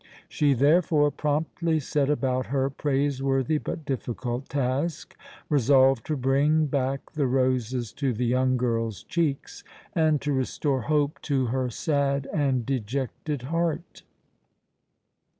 She, therefore, promptly set about her praiseworthy but difficult task, resolved to bring back the roses to the young girl's cheeks and restore hope to her sad and dejected heart.